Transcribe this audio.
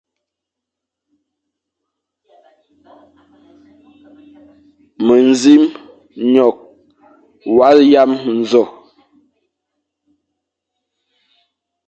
Mendzim nwokh ma yam nzokh.